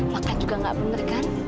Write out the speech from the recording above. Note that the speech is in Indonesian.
makan juga gak bener kan